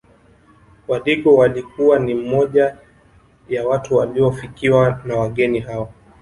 Wadigo walikuwa ni moja ya watu waliofikiwa na wageni hao